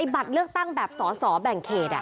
บัตรเลือกตั้งแบบสอสอแบ่งเขต